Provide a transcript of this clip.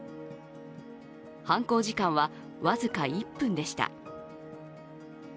犯行時間は僅か１分でした。